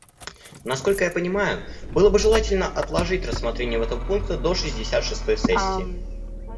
Насколько я понимаю, было бы желательно отложить рассмотрение этого пункта до шестьдесят шестой сессии.